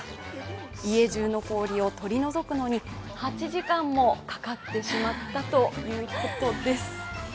家じゅうの氷を取り除くのに８時間もかかってしまったということです。